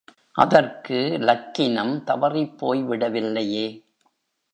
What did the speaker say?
அதற்கு லக்கினம் தவறிப் போய்விடவில்லையே!